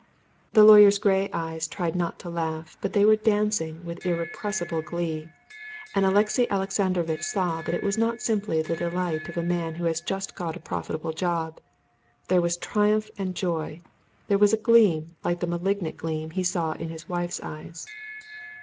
The lawyer's gray eyes tried not to laugh, but they were dancing with irrepressible glee, and Alexey Alexandrovitch saw that it was not simply the delight of a man who has just got a profitable job: there was triumph and joy, there was a gleam like the malignant gleam he saw in his wife's eyes.